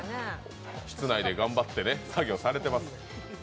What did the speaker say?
室内で頑張って作業されてます。